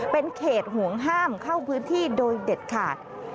เป็นเขตห่วงห้ามเข้าพื้นที่โดยเด็ดขาด